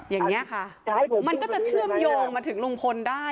อย่างนี้ค่ะมันก็จะเชื่อมโยงมาถึงลุงพลได้